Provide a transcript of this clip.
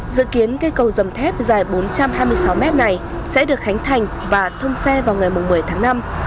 dự kiến cây cầu dầm thép dài bốn trăm hai mươi sáu mét này sẽ được khánh thành và thông xe vào ngày một mươi tháng năm